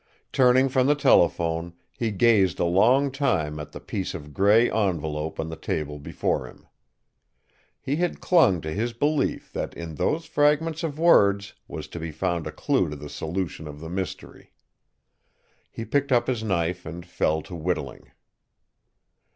Turning from the telephone, he gazed a long time at the piece of grey envelope on the table before him. He had clung to his belief that, in those fragments of words, was to be found a clue to the solution of the mystery. He picked up his knife and fell to whittling.